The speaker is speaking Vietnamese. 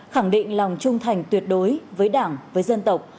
khẳng định lòng trung thành tuyệt đối với đảng với dân tộc